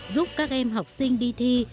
giúp các em học sinh đi thi